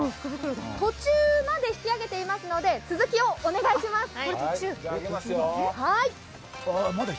途中まで引き上げていますので続きをお願いします。